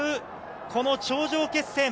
この頂上決戦。